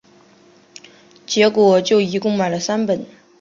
结果就一共买了三本